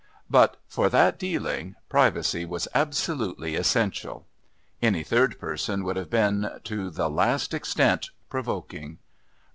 But, for that dealing, privacy was absolutely essential. Any third person would have been, to the last extent, provoking.